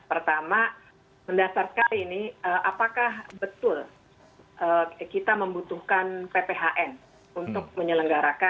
pertama mendasar sekali nih apakah betul kita membutuhkan pphn untuk menyelenggarakan